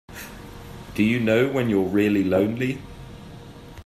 Do you know when you're really lonely?